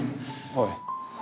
おい。